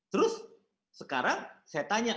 terus sekarang saya tanya